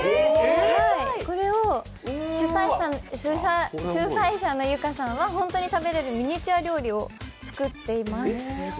これを主催者のＹｕｋａさんは本当に食べられるミニチュア料理を作っています。